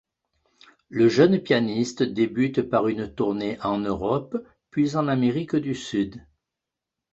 Le jeune pianiste débute par une tournée en Europe, puis en Amérique du Sud.